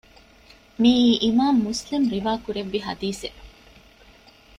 މިއީ އިމާމު މުސްލިމު ރިވާކުރެއްވި ޙަދީޘެއް